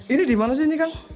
ini di mana sih ini kawan